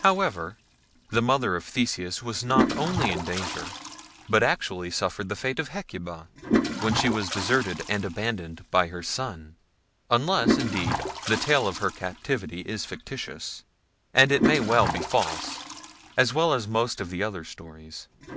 However, the mother of Theseus was not only in danger, but actually suf fered the fate of Hecuba when she was deserted and abandoned by her son, unless, indeed, the tale of her captivity is fictitious, and it may well be false, as well as most of the other stories.